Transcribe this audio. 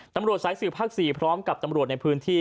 ตำรวจสายสื่อภาค๔พร้อมกับตำรวจในพื้นที่